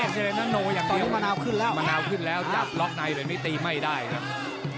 ตอนนี้มะนาวขึ้นแล้วมะนาวขึ้นแล้วจับล็อคไนเป็นวิธีไม่ได้ครับ